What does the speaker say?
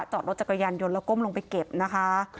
จอดรถจักรยานยนต์แล้วก้มลงไปเก็บนะคะ